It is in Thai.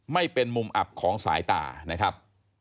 ไม่เป็นมุมอับของสายตานะครับ